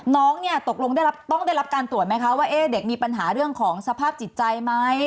น้องเนี่ยตกลงต้องได้รับการตรวจไหมคะว่าเด็กมีปัญหาเรื่องของสภาพจิตใจไหม